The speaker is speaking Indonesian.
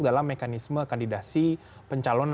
dalam mekanisme kandidasi pencalon